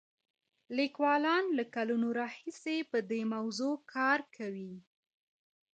لیکوالان له کلونو راهیسې په دې موضوع کار کوي.